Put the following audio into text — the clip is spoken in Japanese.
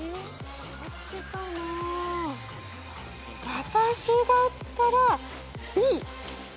私だったら。